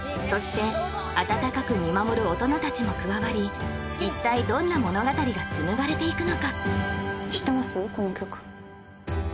そして温かく見守る大人たちも加わり一体どんな物語が紡がれていくのか知ってます？